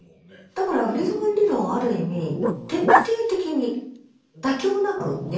だからフリードマン理論をある意味徹底的に妥協なくやったわけですね。